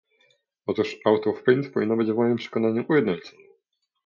Otóż out of print powinno być w moim przekonaniu ujednolicone